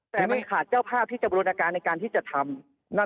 แต่มันขาดเจ้าภาพที่จะบูรณาการในการที่จะทำ